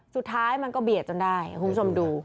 สุดท้ายมันก็เบียดจนได้คุณผู้ชมดู